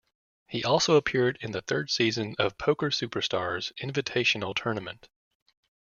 He also appeared in the third season of "Poker Superstars Invitational Tournament".